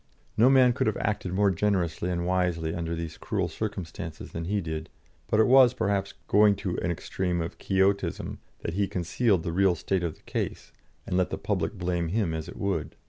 No man could have acted more generously and wisely under these cruel circumstances than he did, but it was, perhaps, going to an extreme of Quixotism, that he concealed the real state of the case, and let the public blame him as it would.